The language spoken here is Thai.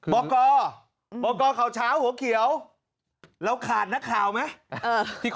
บอกกข่าวเช้าหัวเขียวเราขาดนักข่าวไหม